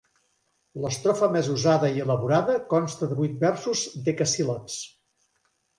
L'estrofa més usada i elaborada consta de vuit versos decasíl·labs.